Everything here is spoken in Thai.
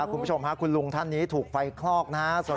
โอ้โฮคุณผู้ชมคุณลุงท่านที่ถูกไฟคลอกนะนะครับ